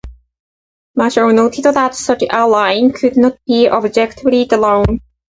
Marshall noted that such a line could not be objectively drawn.